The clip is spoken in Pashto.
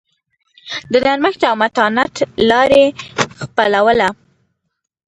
د نرمښت او متانت لار یې خپلوله.